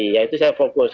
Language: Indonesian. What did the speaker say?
ya itu saya fokus